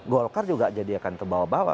golkar juga jadi akan terbawa bawa